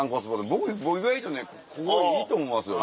僕意外とここいいと思います。